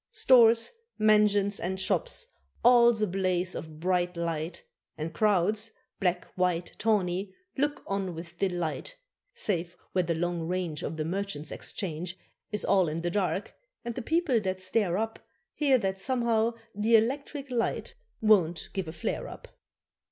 Stores, mansions, and shops all's a blaze of bright light, And crowds black, white, tawney look on with delight Save where the long range Of the Merchants' Exchange Is all in the dark, and the people that stare up Hear that somehow the electric light won't give a flare up.